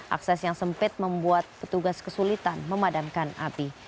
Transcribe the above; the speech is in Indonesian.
akses yang sempit membuat petugas kesulitan memadamkan api